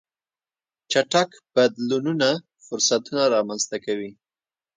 چټک بدلونونه فرصتونه رامنځته کوي.